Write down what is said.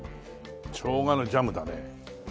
しょうがのジャムだね。